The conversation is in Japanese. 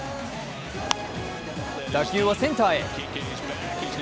打球はセンターへ。